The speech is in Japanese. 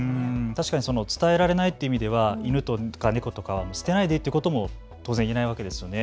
確かに伝えられないという意味では犬や猫を捨てないでということも言えないですよね。